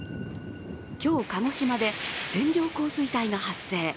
今日、鹿児島で線状降水帯が発生。